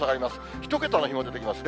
１桁の日も出てきますね。